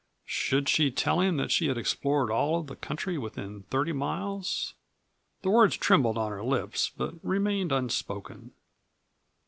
Should she tell him that she had explored all of the country within thirty miles? The words trembled on her lips but remained unspoken.